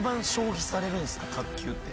卓球って。